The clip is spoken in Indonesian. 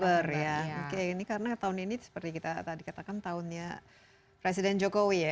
oke ini karena tahun ini seperti kita tadi katakan tahunnya presiden jokowi ya